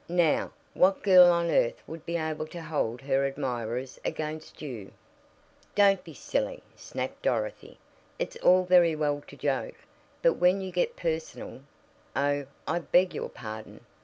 Now, what girl on earth would be able to hold her admirers against you?" "Don't be silly!" snapped Dorothy. "It's all very well to joke, but when you get personal " "Oh, I beg your pardon!